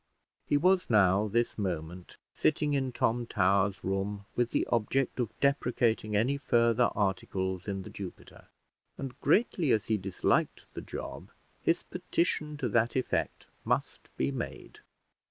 He was now, this moment, sitting in Tom Towers' room with the object of deprecating any further articles in The Jupiter, and, greatly as he disliked the job, his petition to that effect must be made.